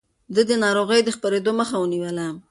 ده د ناروغيو د خپرېدو مخه ونيوله.